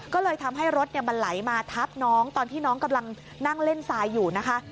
ก็เลยทำให้รถมันไหลมาทับน้องตอนที่น้องกำลังนั่งเล่นทรายอยู่นะคะ